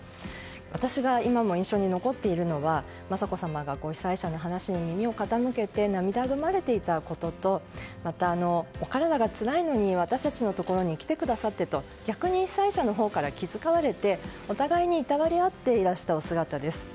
私が今も印象に残っているのは雅子さまが被災者の話に耳を傾けて涙ぐまれていたこととまた、お体がつらいのに私たちのところに来てくださってと逆に被災者のほうから気遣われてお互いにいたわり合っていらしたお姿です。